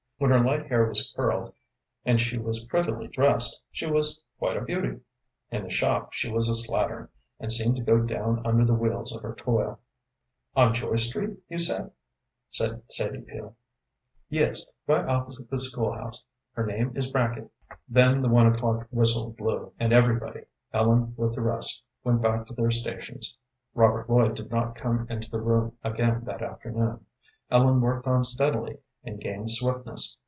When her light hair was curled, and she was prettily dressed, she was quite a beauty. In the shop she was a slattern, and seemed to go down under the wheels of her toil. "On Joy Street, you said?" said Sadie Peel. "Yes. Right opposite the school house. Her name is Brackett." Then the one o'clock whistle blew, and everybody, Ellen with the rest, went back to their stations. Robert Lloyd did not come into the room again that afternoon. Ellen worked on steadily, and gained swiftness.